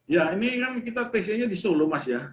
ya ini yang kita tesnya di solo mas ya